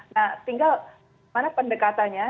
nah tinggal mana pendekatannya